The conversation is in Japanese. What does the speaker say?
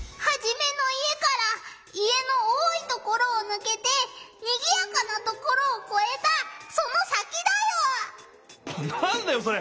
ハジメの家から家の多いところをぬけてにぎやかなところをこえたその先だよ！